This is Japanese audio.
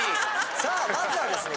さあまずはですね